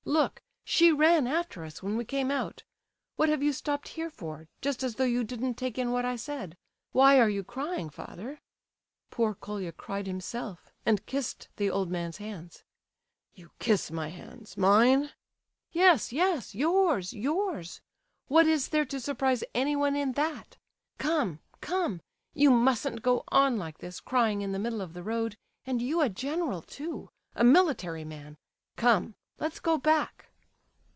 Look, she ran after us when we came out. What have you stopped her for, just as though you didn't take in what I said? Why are you crying, father?" Poor Colia cried himself, and kissed the old man's hands "You kiss my hands, mine?" "Yes, yes, yours, yours! What is there to surprise anyone in that? Come, come, you mustn't go on like this, crying in the middle of the road; and you a general too, a military man! Come, let's go back."